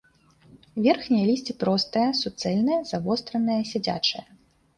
Верхняе лісце простае, суцэльнае, завостранае, сядзячае.